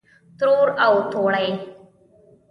ترور او توړۍ